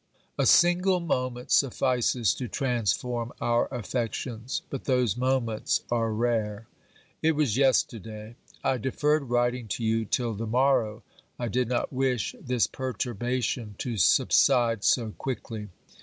A single moment suffices to transform our affections, but those moments are rare. It was yesterday. I deferred writing to you till the morrow ; I did not wish this perturbation to subside so quickly.